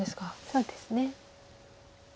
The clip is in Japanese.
そうですね。